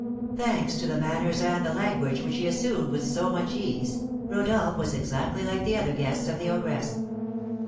Thanks to the manners and the language which he assumed with so much ease, Rodolph was exactly like the other guests of the ogress.